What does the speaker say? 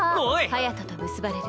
隼と結ばれる。